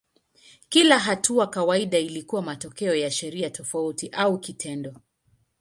Kila hatua kawaida ilikuwa matokeo ya sheria tofauti au kitendo.